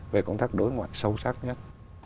về con thác đối ngoại sâu sắc nhất